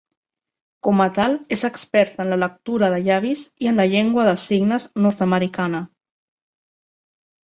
Com a tal, és experta en la lectura de llavis i en la llengua de signes nord-americana.